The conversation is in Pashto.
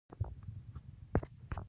تجربه د ژوند لويه سرمايه ده